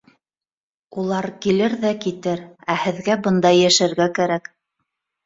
Улар килер ҙә китер, ә һеҙгә бында йәшәргә кәрәк.